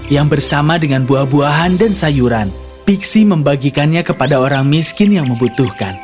yang bersama dengan buah buahan dan sayuran pixi membagikannya kepada orang miskin yang membutuhkan